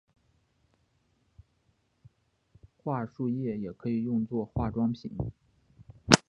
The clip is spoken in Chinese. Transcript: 桦树液也可用做化妆品。